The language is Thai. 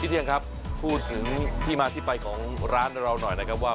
เที่ยงครับพูดถึงที่มาที่ไปของร้านเราหน่อยนะครับว่า